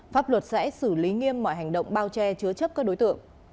pháp luật sẽ xử lý nghiêm mọi hành động bao che chứa chấp các đối tượng